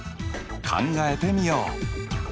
考えてみよう。